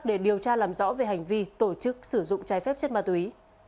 để điều tra làm rõ về hành vi tổ chức sử dụng trái phép chất ma túy